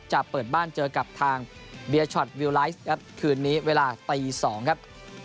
จะเปิดบ้านเจอกับทางเบียร์ช็อตวิวไลฟ์ครับคืนนี้เวลาตี๒ครับ